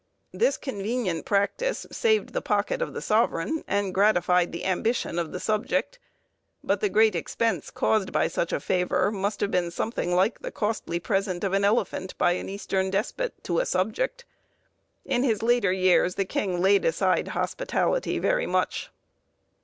This convenient practice saved the pocket of the sovereign, and gratified the ambition of the subject; but the great expense caused by such a favour, must have been something like the costly present of an elephant, by an Eastern despot, to a subject. In his later years, the king laid aside hospitality very much.